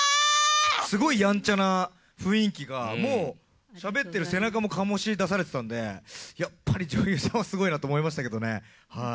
すごいやんちゃな雰囲気が、もう、しゃべってる背中も醸し出されてたんで、やっぱり女優さんはすごいなと思いましたけどね。